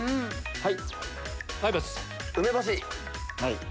はい！